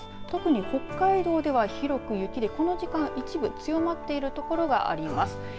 特に北海道では広く雪でこの時間一部、強まっている所があります。